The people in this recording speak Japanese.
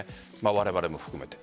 我々も含めて。